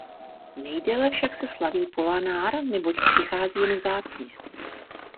Nejdéle však se slaví Polanár, neboť přichází jen vzácně.